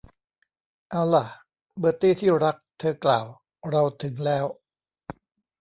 เอาล่ะ เบอร์ตี้ ที่รัก เธอกล่าว เราถึงแล้ว